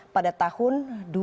pada tahun dua ribu